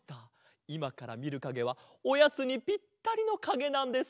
いまからみるかげはおやつにぴったりのかげなんです。